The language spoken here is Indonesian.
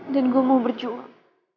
dan gue mau berjuang